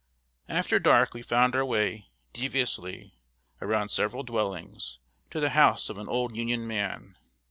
] After dark we found our way, deviously, around several dwellings, to the house of an old Union man.